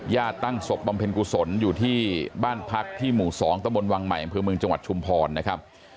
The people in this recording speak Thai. ตั้งศพบำเพ็ญกุศลอยู่ที่บ้านพักที่หมู่๒ตะบนวังใหม่อำเภอเมืองจังหวัดชุมพรนะครับ